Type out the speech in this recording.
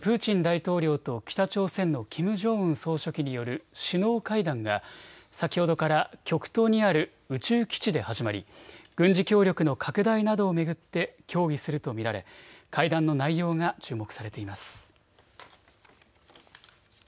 お伝えしていますようにロシアのプーチン大統領と北朝鮮のキム・ジョンウン総書記による首脳会談が先ほどから極東にある宇宙基地で始まり軍事協力の拡大などを巡って協議すると見られ会談の内容が注目されています。